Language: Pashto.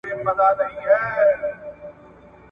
پر مېړه یو کال خواري وي، پر سپي سړي همېشه ,